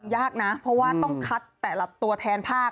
ยากนะเพราะว่าต้องคัดแต่ละตัวแทนภาค